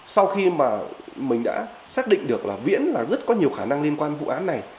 sau khi mà mình đã xác định được là viễn là rất có nhiều khả năng liên quan vụ án này